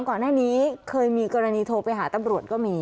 ก่อนหน้านี้เคยมีกรณีโทรไปหาตำรวจก็มี